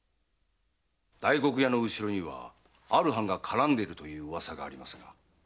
大黒屋の後ろにはある藩がからんでいるという噂が。